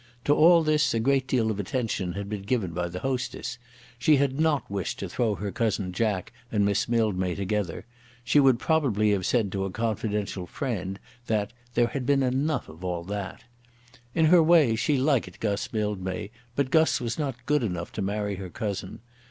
To all this a great deal of attention had been given by the hostess. She had not wished to throw her cousin Jack and Miss Mildmay together. She would probably have said to a confidential friend that "there had been enough of all that." In her way she liked Guss Mildmay; but Guss was not good enough to marry her cousin.